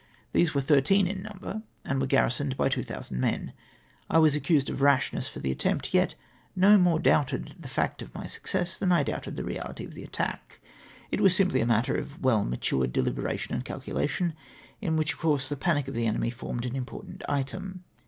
These were thirteen in number, and were gar risoned by 2000 men. I was accused of rashness for the attempt ; yet no more doubted the fact of my success than I doubted the reahty of the attack. It was simply a matter of well matm^ed dehberation and calculation, in wliich, of com^se, the panic of the enemy formed an important item.